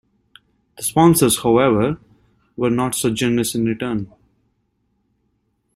The sponsors however, were not so generous in return.